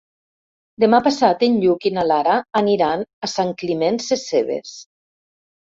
Demà passat en Lluc i na Lara aniran a Sant Climent Sescebes.